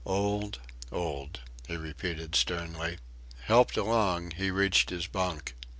"Old! old!" he repeated sternly. Helped along, he reached his bunk.